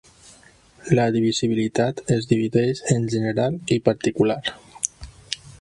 La divisibilitat es divideix en general i particular.